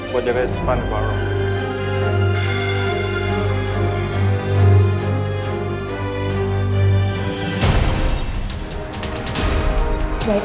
buat jaga suami baru